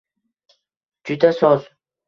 Juda soz.